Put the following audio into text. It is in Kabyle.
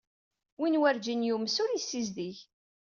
Win werǧin yumes ur yessizdig.